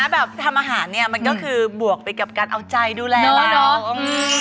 แบบทำอาหารเนี่ยมันก็คือบวกไปกับการเอาใจดูแลแล้วเนาะ